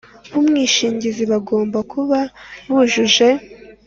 b umwishingizi bagomba kuba bujuje